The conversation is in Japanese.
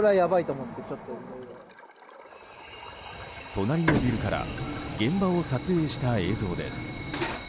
隣のビルから現場を撮影した映像です。